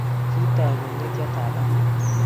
Kitoy kongetyo talamwok